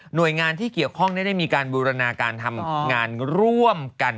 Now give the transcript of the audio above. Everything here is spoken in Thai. โดยงานที่เกี่ยวข้องได้มีการบูรณาการทำงานร่วมกัน